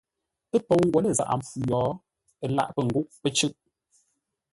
Ə́ pou ngwǒ lə́ zaghʼə mpfu yo, ə lâʼ pə̂ ngúʼ; pə́ cʉ̂ʼ.